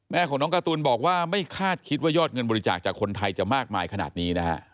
แม่ของน้องการ์ตูนบอกว่าไม่คาดคิดว่ายอดเงินบริจาคจากคนไทยจะมากมายขนาดนี้นะฮะ